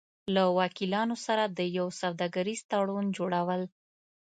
-له وکیلانو سره د یو سوداګریز تړون جوړو ل